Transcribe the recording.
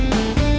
ya itu dia